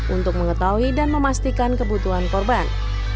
untuk mengetahui dan memastikan kebutuhan korban